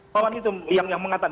wawan itu yang mengatakan